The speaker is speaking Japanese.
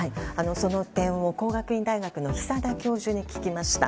その点を工学院大学の久田教授に聞きました。